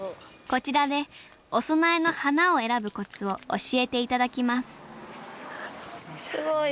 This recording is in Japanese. こちらでお供えの花を選ぶコツを教えて頂きますすごい。